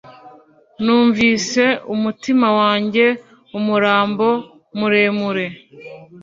Numvise umutima wanjye umurambo muremure